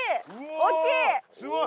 大きい！